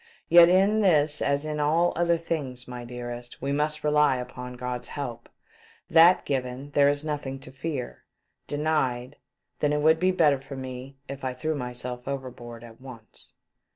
Yet in this as in all other things, my dearest, we must rely upon God's help. That given there is nothing to fear ; denied — then it would be better for me if I threw myself overboard at once."